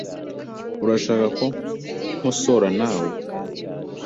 Urashaka ko nkosora nawe?